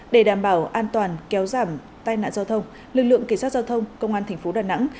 để đảm bảo an toàn kéo giảm tai nạn giao thông lực lượng kỳ sát giao thông công an thành phố đà nẵng